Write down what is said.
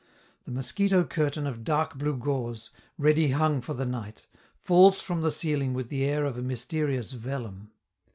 The mosquito curtain of dark blue gauze, ready hung for the night, falls from the ceiling with the air of a mysterious vellum.